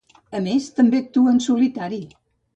A més, també actua en solitari.